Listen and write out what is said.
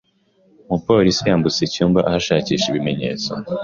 Umupolisi yambutse icyumba ashakisha ibimenyetso.